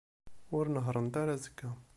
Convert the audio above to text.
Ur nehhṛent ara azekka.